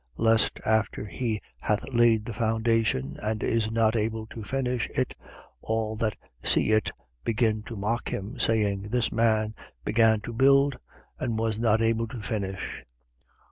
Lest, after he hath laid the foundation and is not able to finish it, all that see it begin to mock him, 14:30. Saying: This man began to build and was not able to finish.